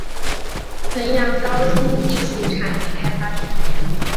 衡阳高新技术产业开发区